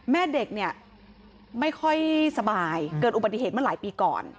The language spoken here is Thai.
แม่เด็กเนี่ยไม่ค่อยสบายเกิดอุบัติเหตุมาหลายปีก่อน